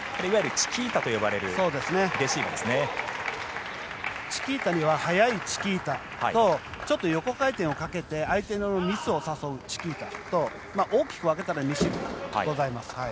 チキータには速いチキータとちょっと横回転をかけて相手のミスを誘うチキータと大きく分けたら２種類ございます。